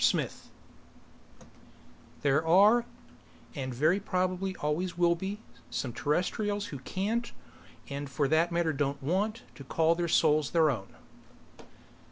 SMITH _There are and very probably will always be some Terrestrials who can't, and for that matter don't want, to call their souls their own....